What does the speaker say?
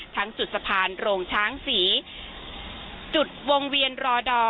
จุดสะพานโรงช้างศรีจุดวงเวียนรอดอ